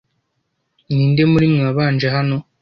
Ninde muri mwe wabanje hano?